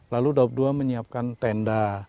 lalu daup dua menyiapkan tenda